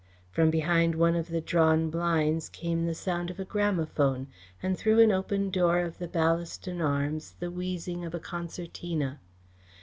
From behind one of the drawn blinds came the sound of a gramophone, and through the open door of the Ballaston Arms the wheezing of a concertina.